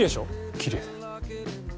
きれい。